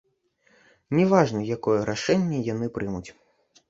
Не важна, якое рашэнне яны прымуць.